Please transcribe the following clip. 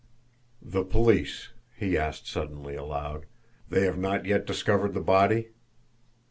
"The police," he asked suddenly, aloud, "they have not yet discovered the body?"